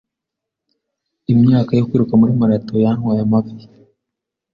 Imyaka yo kwiruka muri marato yantwaye amavi.